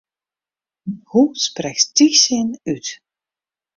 Hoe sprekst dy sin út?